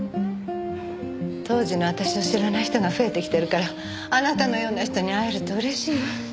当時の私を知らない人が増えてきてるからあなたのような人に会えると嬉しいわ。